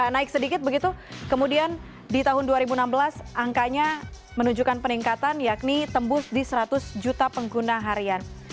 naik sedikit begitu kemudian di tahun dua ribu enam belas angkanya menunjukkan peningkatan yakni tembus di seratus juta pengguna harian